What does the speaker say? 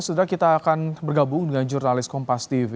setelah kita akan bergabung dengan jurnalis kompas tv